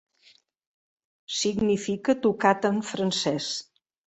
Significa tocat en francès.